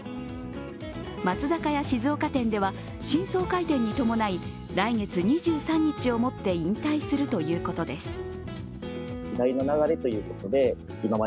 松坂屋静岡店では新装開店に伴い来月２３日をもって引退するということです。